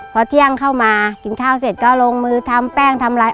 พอเที่ยงเข้ามากินข้าวเสร็จก็ลงมือทำแป้งทำอะไร